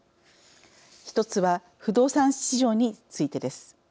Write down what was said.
１つは不動産市場についてです。